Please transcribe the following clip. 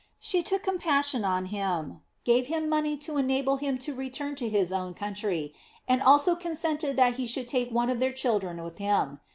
She took compassion on him, gave him money to enable him to return to his own country, and also consented that he should take one of their children with him.